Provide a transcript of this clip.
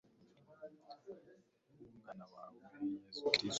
w'umwana wawe yezu kristu